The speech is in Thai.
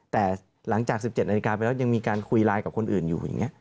แต่หลังจาก๑๗นาฬิกาไปแล้วยังมีการคุยไลน์กับคนอื่นอยู่อย่างนี้